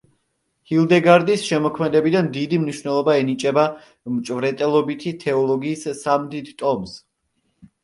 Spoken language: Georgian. ჰილდეგარდის შემოქმედებიდან დიდი მნიშვნელობა ენიჭება „მჭვრეტელობითი თეოლოგიის“ სამ დიდ ტომს.